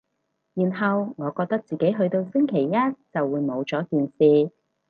然後我覺得自己去到星期一就會冇咗件事